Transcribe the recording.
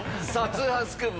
『通販スクープ』